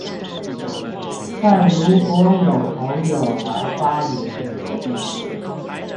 但如果有朋友來發言